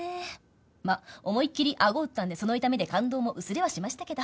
まあ思いきりあご打ったんでその痛みで感動も薄れはしましたけど。